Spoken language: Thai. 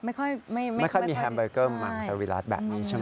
ไม่ค่อยมีแฮมเบอร์เกิ้ลมังซาวิรัตน์แบบนี้ใช่ไหม